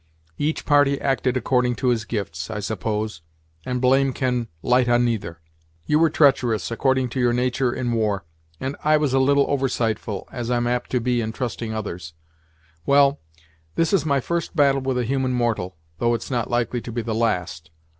Each party acted according to his gifts, I suppose, and blame can light on neither. You were treacherous, according to your natur' in war, and I was a little oversightful, as I'm apt to be in trusting others. Well, this is my first battle with a human mortal, though it's not likely to be the last.